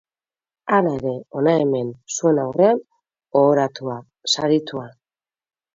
Hala ere, hona hemen, zuen aurrean, ohoratua, saritua.